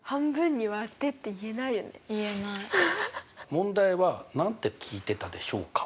問題は何て聞いてたでしょうか？